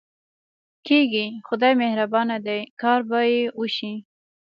کېږي، خدای مهربانه دی، کار به یې وشي.